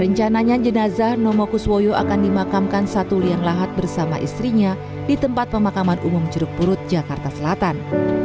rencananya jenazah nomo kuswoyo akan dimakamkan satu liang lahat bersama istrinya di tempat pemakaman umum jeruk purut jakarta selatan